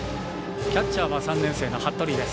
キャッチャーは３年生の服部です。